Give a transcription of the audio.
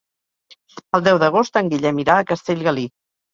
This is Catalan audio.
El deu d'agost en Guillem irà a Castellgalí.